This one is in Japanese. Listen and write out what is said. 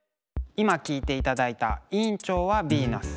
今聴いていただいた「委員長はヴィーナス」。